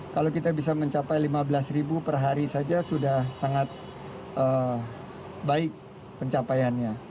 kalau kita bisa mencapai lima belas ribu per hari saja sudah sangat baik pencapaiannya